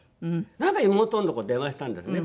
なんか妹のとこ電話したんですね